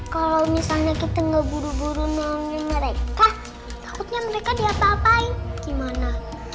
kalau misalnya kita nggak buru buru memanggil mereka takutnya mereka diapa apain gimana